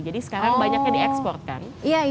jadi sekarang banyaknya diekspor kan